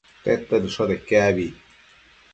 tedta dëshote iquec abi?